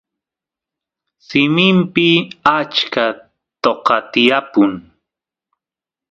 simimpi achka toqa tiyapun